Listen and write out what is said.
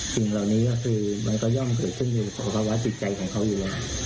สิ่งเหล่านี้ก็คือมันก็ย่อมเกิดขึ้นอยู่กับภาวะจิตใจของเขาอยู่แล้ว